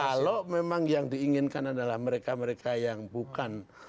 kalau memang yang diinginkan adalah mereka mereka yang bukan